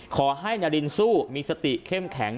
ขอให้นารินสู้มีสติเข้มแข็ง